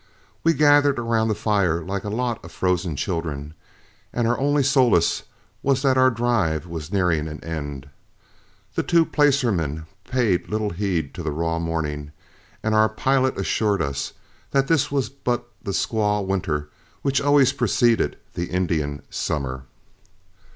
We gathered around the fire like a lot of frozen children, and our only solace was that our drive was nearing an end. The two placermen paid little heed to the raw morning, and our pilot assured us that this was but the squaw winter which always preceded Indian summer.